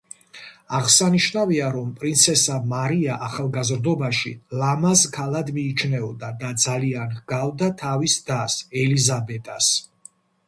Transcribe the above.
აღსანიშნავია, რომ პრინცესა მარია ახალგაზრდობაში ლამაზ ქალად მიიჩნეოდა და ძალიან ჰგავდა თავის დას, ელიზაბეტას.